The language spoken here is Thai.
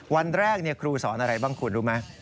วันแรกครูสอนอะไรบ้างคุณรู้ไหม